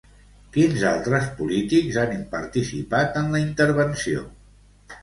Quins altres polítics han participat en la intervenció?